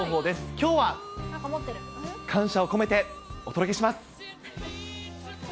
きょうは感謝を込めてお届けします。